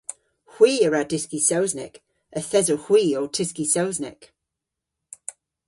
Hwi a wra dyski Sowsnek. Yth esowgh hwi ow tyski Sownsnek.